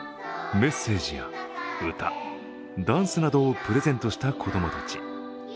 メッセージや歌、ダンスなどをプレゼントした子供たち。